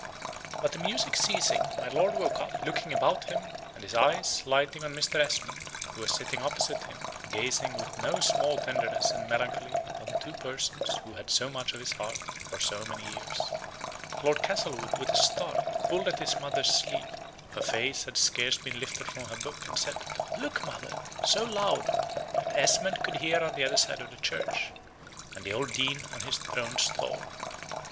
But the music ceasing, my lord woke up, looking about him, and his eyes lighting on Mr. Esmond, who was sitting opposite him, gazing with no small tenderness and melancholy upon two persons who had so much of his heart for so many years, Lord Castlewood, with a start, pulled at his mother's sleeve (her face had scarce been lifted from her book), and said, "Look, mother!" so loud, that Esmond could hear on the other side of the church, and the old Dean on his throned stall.